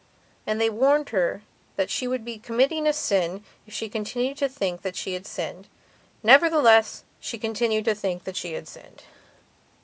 And they warned her that she would be committing a sin if she continued to think that she had sinned. Nevertheless, she continued to think that she had sinned.